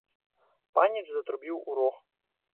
Паніч затрубіў у рог.